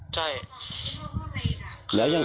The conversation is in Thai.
ใช่